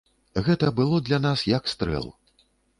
Гэта было для нас як стрэл.